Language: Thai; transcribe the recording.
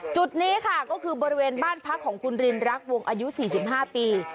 จุดนี้ค่ะก็คือบริเวณบ้านพักของคุณรินรักวงอายุ๔๕ปี